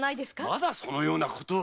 まだそのようなことを！